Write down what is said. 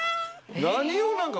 何を何か。